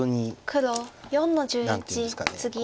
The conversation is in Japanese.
黒４の十一ツギ。